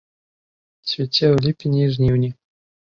Цвіце ў ліпені і жніўні.